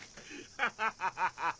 ハハハハ。